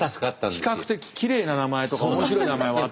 比較的きれいな名前とか面白い名前はあってもね。